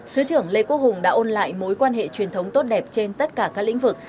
thứ trưởng lê quốc hùng đã ôn lại mối quan hệ truyền thống tốt đẹp trên tất cả các lĩnh vực